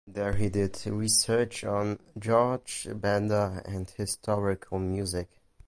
There he did research on Georg Benda and historical music.